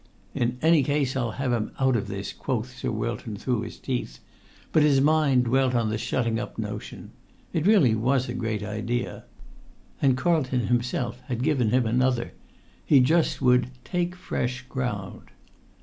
"In any case I'll have him out of this," quoth Sir Wilton through his teeth; but his mind dwelt on the shutting up notion: it really was "a great idea." And Carlton himself had given him another: he just would "take fresh ground."